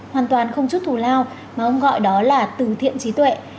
hoàn toàn không chút thù lao mà ông gọi đó là từ thiện trí tuệ